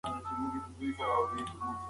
بې له حل جراحي ګټوره نه ده.